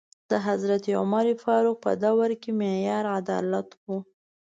د حضرت عمر فاروق په دوره کې معیار عدالت و.